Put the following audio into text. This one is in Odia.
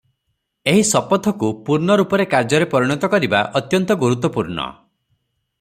ଏହି ଶପଥକୁ ପୂର୍ଣ୍ଣରୂପରେ କାର୍ଯ୍ୟରେ ପରିଣତ କରିବା ଅତ୍ୟନ୍ତ ଗୁରୁତ୍ତ୍ୱପୂର୍ଣ୍ଣ ।